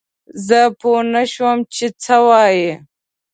زه پوه نه شوم چې څه وايي؟